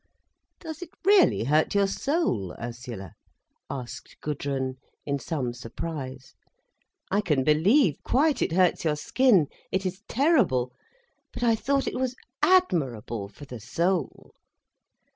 "Does it really hurt your soul, Ursula?" asked Gudrun, in some surprise. "I can believe quite it hurts your skin—it is terrible. But I thought it was admirable for the soul."